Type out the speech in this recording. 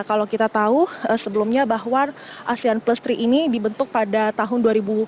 kalau kita tahu sebelumnya bahwa asean plus tiga ini dibentuk pada tahun dua ribu dua puluh